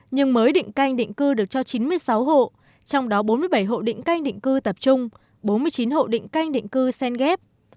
nhưng mới định canh định cư được cho chín mươi sáu hộ trong đó bốn mươi bảy hộ định canh định cư tập trung bốn mươi chín hộ định canh định cư sen ghép